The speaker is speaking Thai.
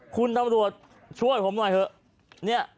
คุณตำรวจช่วยผมหน่อยเถอะ